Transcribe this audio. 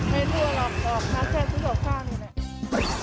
ไม่ทั่วออกมาแค่ทุกข้างเลยแหละ